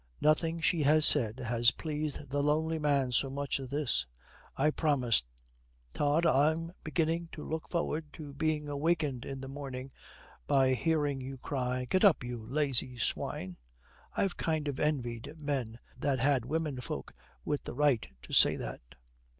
Nothing she has said has pleased the lonely man so much as this. 'I promise. Tod, I'm beginning to look forward to being wakened in the morning by hearing you cry, "Get up, you lazy swine." I've kind of envied men that had womenfolk with the right to say that.'